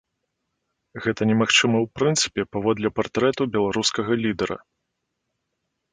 Гэта немагчыма ў прынцыпе паводле партрэту беларускага лідара.